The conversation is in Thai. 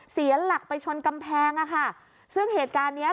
เสียหลักไปชนกำแพงอ่ะค่ะซึ่งเหตุการณ์เนี้ย